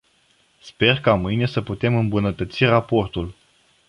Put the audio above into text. Sper ca mâine să putem îmbunătăți raportul.